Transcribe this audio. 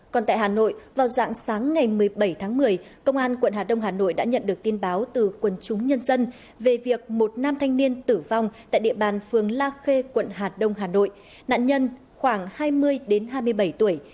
còn tại hà nội vào dạng sáng ngày một mươi bảy tháng một mươi công an quận hà đông hà nội đã nhận được tin báo từ quần chúng nhân dân về việc một nam thanh niên tử vong tại địa bàn phường la khê quận hà đông hà nội nạn nhân khoảng hai mươi hai mươi bảy tuổi